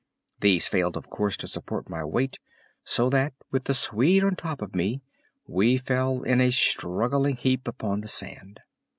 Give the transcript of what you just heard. These failed, of course, to support my weight, so that with the Swede on top of me we fell in a struggling heap upon the sand.